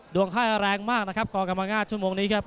ดวงค่ายแรงมากนะครับกรกรรมนาฏชุมงค์นี้ครับ